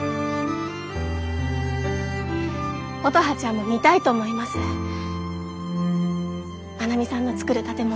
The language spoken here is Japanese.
乙葉ちゃんも見たいと思います真奈美さんの造る建物。